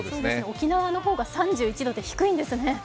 沖縄の方が３１度って低いんですね。